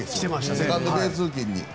セカンドベース付近に。